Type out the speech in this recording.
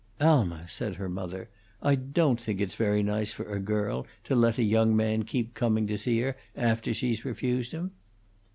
"Alma," said her mother, "I don't think it's very nice for a girl to let a young man keep coming to see her after she's refused him."